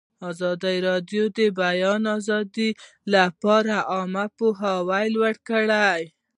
ازادي راډیو د د بیان آزادي لپاره عامه پوهاوي لوړ کړی.